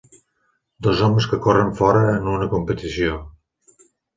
Dos homes que corren fora en una competició.